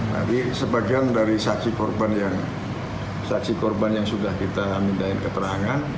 jadi sebagian dari saksi korban yang sudah kita minta keterangan